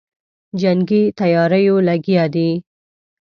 جنګي تیاریو لګیا دی.